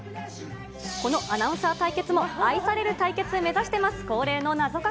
このアナウンサー対決も、愛される対決目指してます。